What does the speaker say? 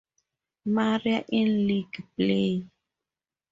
Marie in league play.